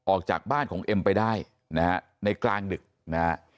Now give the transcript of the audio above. ออกจากบ้านของเอ็มไปได้นะฮะในกลางดึกนะฮะ